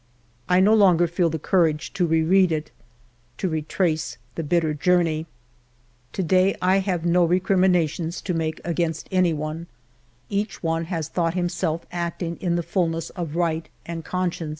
I no longer feel the courage to re read it, to retrace the bitter journey. " To day I have no recriminations to make against anyone ; each one has thought himself acting in the fulness of right and conscience.